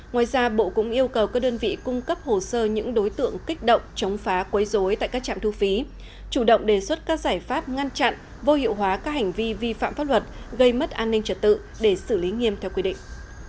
ngoài ra bộ cũng yêu cầu các đơn vị cung cấp hồ sơ những đối tượng kích động chống phá quấy dối tại các trạm thu phí chủ động đề xuất các giải pháp ngăn chặn vô hiệu hóa các hành vi vi phạm pháp luật gây mất an ninh trật tự để xử lý nghiêm theo quy định